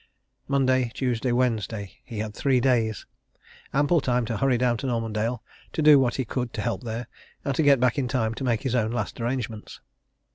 Monday Tuesday Wednesday he had three days ample time to hurry down to Normandale, to do what he could to help there, and to get back in time to make his own last arrangements.